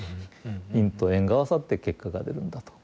因と縁が合わさって結果が出るんだと。